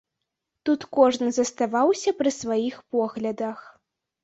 Тут кожны заставаўся пры сваіх поглядах.